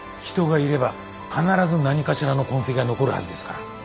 人がいれば必ず何かしらの痕跡が残るはずですから。